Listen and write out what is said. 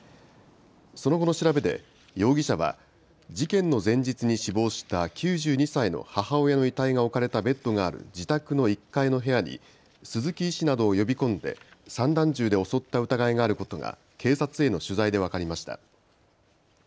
その後の調べで容疑者は事件の前日に死亡した９２歳の母親の遺体が置かれたベッドがある自宅の１階の部屋に鈴木医師などを呼び込んで散弾銃で襲った疑いがあることが警察への取材で分かりました。